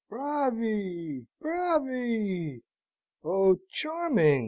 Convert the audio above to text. "Bravi, bravi! Oh, charming!"